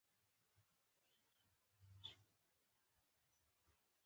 زه غواړم چې افغاني هويت ترلاسه کړم.